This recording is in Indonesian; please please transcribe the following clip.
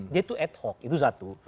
dia itu ad hoc itu satu